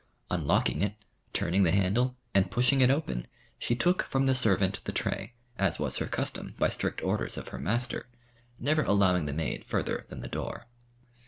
Unlocking it, turning the handle and pushing it open, she took from the servant the tray, as was her custom, by strict orders of her master, never allowing the maid further than the door.